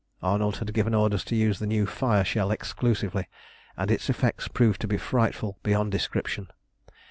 Arnold had given orders to use the new fire shell exclusively, and its effects proved to be frightful beyond description.